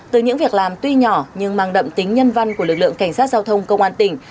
từ những việc làm tuy nhỏ nhưng mang đậm tính nhân văn của lực lượng cảnh sát giao thông công an tỉnh